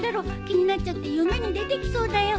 気になっちゃって夢に出てきそうだよ。